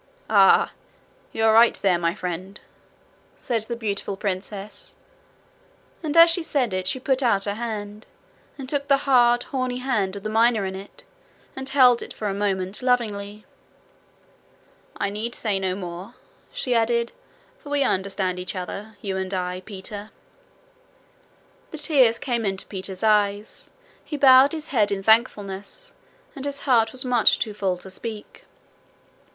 'Ah! you are right there, my friend,' said the beautiful princess. And as she said it she put out her hand, and took the hard, horny hand of the miner in it, and held it for a moment lovingly. 'I need say no more,' she added, 'for we understand each other you and I, Peter.' The tears came into Peter's eyes. He bowed his head in thankfulness, and his heart was much too full to speak.